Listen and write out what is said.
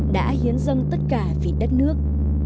đã hiến dâng tất cả vì đất nước